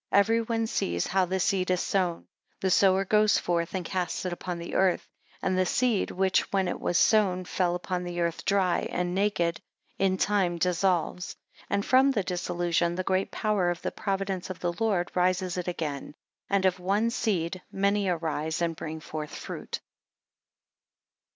Every one sees how the seed is sown. The sower goes forth, and casts it upon the earth; and the seed which when it was sown fell upon the earth dry and naked, in time dissolves. 20 And from the dissolution, the great power of the providence of the Lord rises it again; and of one seed many arise, and bring forth fruit.